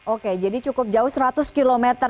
oke jadi cukup jauh seratus km